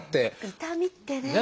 痛みってね。